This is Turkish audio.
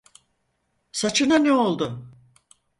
Saçına ne oldu?